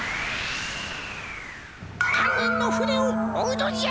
はんにんのふねをおうのじゃ！